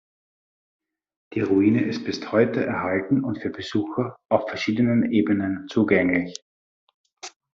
Die Ruine ist bis heute erhalten und für Besucher auf verschiedenen Ebenen zugänglich.